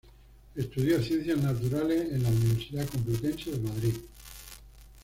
Estudió Ciencias Naturales en la Universidad Complutense de Madrid.